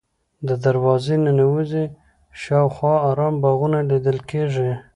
له دروازې ننوځې شاوخوا ارام باغونه لیدل کېږي.